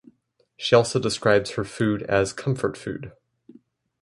She also describes her food as comfort food.